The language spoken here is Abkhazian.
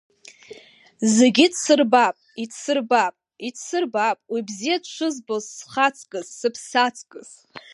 Зегьы идсырбап, идсырбап, идсырбап уи бзиа дшызбоз схы аҵкыс, сыԥсы аҵкыс…